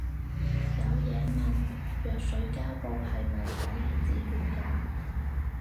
有嘢問，藥水膠布係咪可以止血㗎